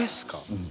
うん。